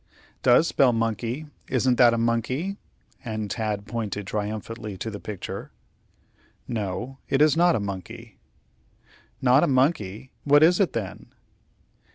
"Does spell monkey! Isn't that a monkey?" and Tad pointed triumphantly to the picture. "No, it is not a monkey." "Not a monkey! what is it, then?"